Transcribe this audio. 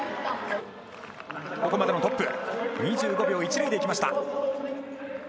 ここまでのトップ２５秒１０で行きました。